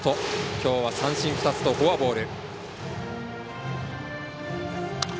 きょうは三振２つとフォアボール。